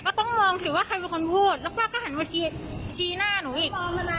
ต้องมองสิว่าใครเป็นคนพูดแล้วป้าก็หันมาชี้หน้าหนูอีก